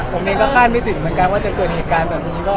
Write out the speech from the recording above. ผมเองก็คาดไม่ถึงเหมือนกันว่าจะเกิดเหตุการณ์แบบนี้